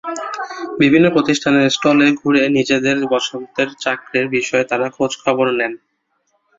বিভিন্ন প্রতিষ্ঠানের স্টলে ঘুরে নিজেদের পছন্দের চাকরির বিষয়ে তাঁরা খোঁজখবর নেন।